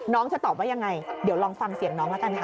จะตอบว่ายังไงเดี๋ยวลองฟังเสียงน้องแล้วกันค่ะ